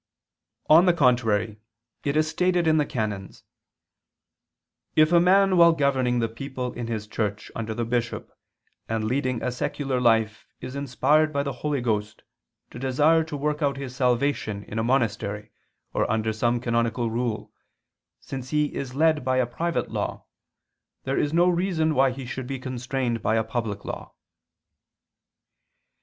On the contrary, It is stated (XIX, qu. ii, cap. Duce): "If a man while governing the people in his church under the bishop and leading a secular life is inspired by the Holy Ghost to desire to work out his salvation in a monastery or under some canonical rule, since he is led by a private law, there is no reason why he should be constrained by a public law."